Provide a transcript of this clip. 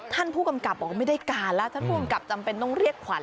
ท่านผู้กำกับบอกว่าไม่ได้การแล้วท่านผู้กำกับจำเป็นต้องเรียกขวัญ